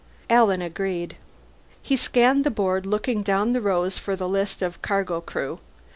Alan agreed. He scanned the board, looking down the rows for the list of cargo crew.